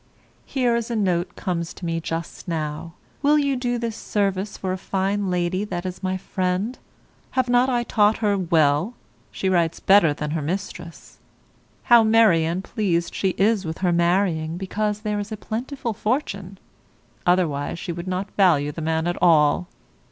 Here is a note comes to me just now, will you do this service for a fine lady that is my friend; have not I taught her well, she writes better than her mistress? How merry and pleased she is with her marrying because there is a plentiful fortune; otherwise she would not value the man at all.